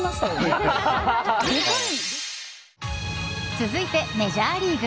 続いて、メジャーリーグ。